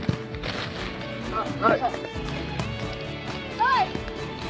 はい！